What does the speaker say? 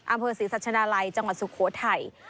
อำเภอศรีสัชนาลัยจังหวัดสุโขทัย